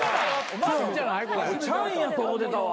「ちゃん」やと思うてたわ。